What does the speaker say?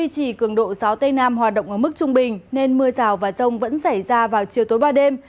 chỉ cường độ gió tây nam hoạt động ở mức trung bình nên mưa rào và rông vẫn xảy ra vào chiều tối và đêm